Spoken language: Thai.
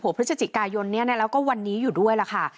พฤศจิกายนนี้แล้วก็วันนี้อยู่ด้วยล่ะค่ะ